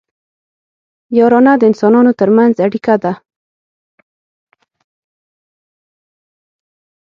یارانه د انسانانو ترمنځ اړیکه ده